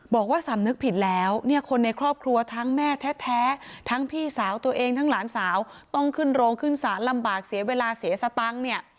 บอกว่าสำนึกผิดแล้วเนี่ยคนในครอบครัวทั้งแม่แท้ทั้งพี่สาวตัวเองทั้งหลานสาวต้องขึ้นโรงขึ้นศาลลำบากเสียเวลาเสียสตังค์เนี่ย